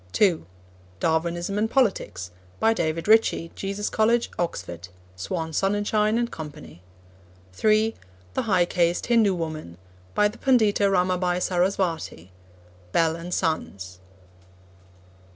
(2) Darwinism and Politics. By David Ritchie, Jesus College, Oxford. (Swan Sonnenschein and Co.) (3) The High Caste Hindu Woman. By the Pandita Ramabai Sarasvati. (Bell and Sons.)